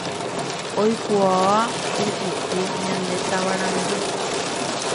Oikuaa pypuku ñane tavarandu